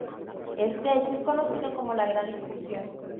Este hecho es conocido como la Gran Expulsión.